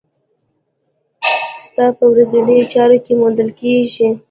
ستا په ورځنيو چارو کې موندل کېږي.